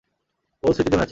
বহু স্মৃতি জমে আছে।